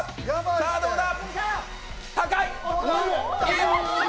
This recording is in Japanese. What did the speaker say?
さあどうだ！